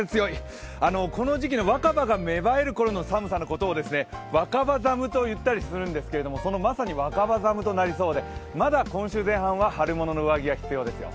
この時期の若葉が芽生えるころの寒さのことを若葉寒と言ったりするんですけど、まさに若葉寒となりそうでまだ今週前半は春物の上着が必要ですよ。